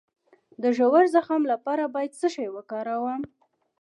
د ژور زخم لپاره باید څه شی وکاروم؟